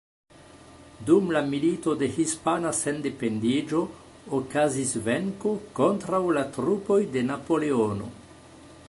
Dum la Milito de Hispana Sendependiĝo okazis venko kontraŭ la trupoj de Napoleono.